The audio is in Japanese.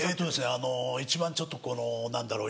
あの一番ちょっとこの何だろう。